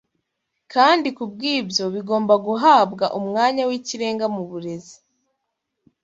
kandi kubw’ibyo bigomba guhabwa umwanya w’ikirenga mu burezi